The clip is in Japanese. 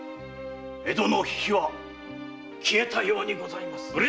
江戸の火は消えたようにございます。